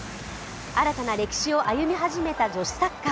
新たな歴史を歩み始めた女子サッカー。